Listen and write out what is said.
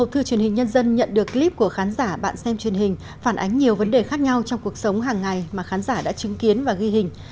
thưa truyền hình nhân dân nhận được clip của khán giả bạn xem truyền hình phản ánh nhiều vấn đề khác nhau trong cuộc sống hàng ngày mà khán giả đã chứng kiến và ghi hình